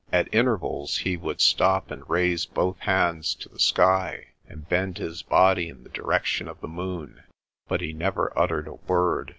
At intervals he would stop and raise both hands to the sky, and bend his body in the direction of the moon. But he never uttered a word.